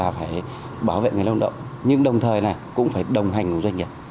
phải bảo vệ người lao động nhưng đồng thời cũng phải đồng hành cùng doanh nghiệp